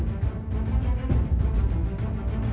keturunan dari gusti prabu kertajaya